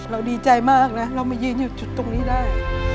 ดีใจมากนะเรามายืนอยู่จุดตรงนี้ได้